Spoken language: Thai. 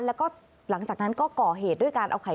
แล้วก็หลังจากนั้นก็ก่อเหตุด้วยการเอาไข่